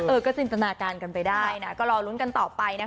เออซนินตนาการกันไปได้ลองลุ้นกันต่อไป